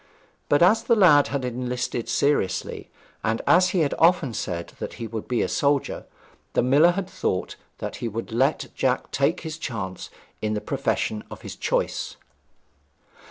But as the lad had enlisted seriously, and as he had often said that he would be a soldier, the miller had thought that he would let Jack take his chance in the profession of his choice.